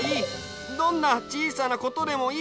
どんなちいさなことでもいい。